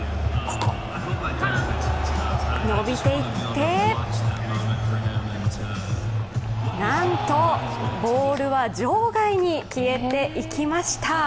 伸びていって、なんとボールは場外に消えていきました。